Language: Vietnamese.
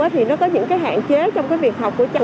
thì nó có những cái hạn chế trong cái việc học của cha